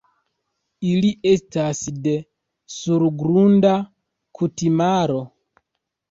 Ili estas de surgrunda kutimaro.